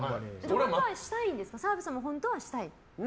澤部さんも本当はしたいんですか？